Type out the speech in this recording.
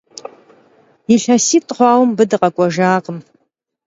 Yilhesit' xhuaue mıbı dıkhek'uejjakhım.